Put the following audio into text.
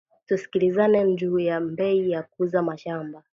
Tusikilizane nju ya beyi ya kuza mashamba